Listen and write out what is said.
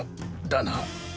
だな。